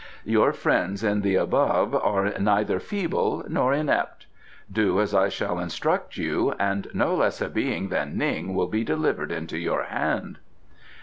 "Your friends in the Above are neither feeble nor inept. Do as I shall instruct you and no less a Being than Ning will be delivered into your hand."